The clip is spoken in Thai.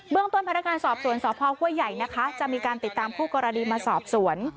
เรื่องต้นพนักงานสอบสวนสพห้วยใหญ่นะคะจะมีการติดตามคู่กรณีมาสอบสวน